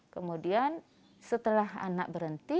kemudian setelah anak berhenti